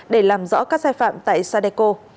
để làm rõ các sai phạm tại sadeco